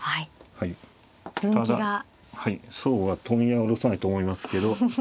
はいそうは問屋は卸さないと思いますけど。